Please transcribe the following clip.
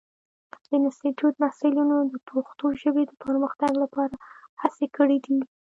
د انسټیټوت محصلینو د پښتو ژبې د پرمختګ لپاره هڅې کړې دي.